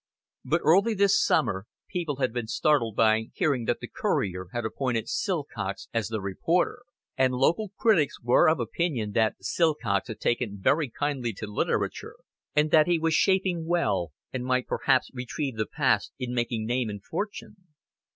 But early this summer people had been startled by hearing that the Courier had appointed Silcox as their reporter; and local critics were of opinion that Silcox had taken very kindly to literature, and that he was shaping well, and might perhaps retrieve the past in making name and fortune.